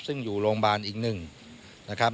ซึ่งอยู่โรงพยาบาลอีกหนึ่งนะครับ